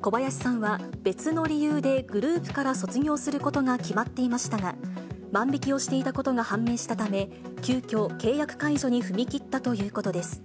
小林さんは、別の理由でグループから卒業することが決まっていましたが、万引きをしていたことが判明したため、急きょ、契約解除に踏み切ったということです。